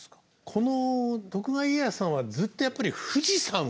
この徳川家康さんはずっとやっぱり富士見櫓。